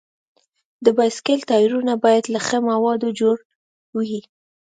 د بایسکل ټایرونه باید له ښي موادو جوړ وي.